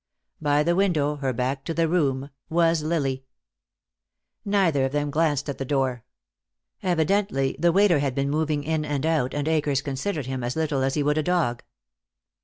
By the window, her back to the room, was Lily. Neither of them glanced at the door. Evidently the waiter had been moving in and out, and Akers considered him as little as he would a dog.